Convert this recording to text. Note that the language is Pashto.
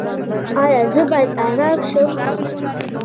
ایا زه باید ارام شم؟